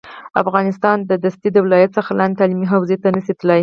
افغانستان دستي د ولایت څخه لاندې تعلیمي حوزې ته نه شي تللی